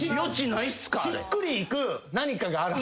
しっくりいく何かがあるはず。